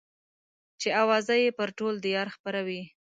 چې اوازه يې پر ټول ديار خپره وه.